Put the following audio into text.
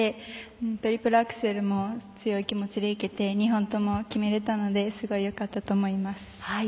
トリプルアクセルも強い気持ちでいけて２本とも決められたのですごい良かったと思います。